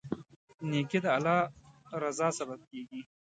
نیکي د الله رضا سبب کیږي.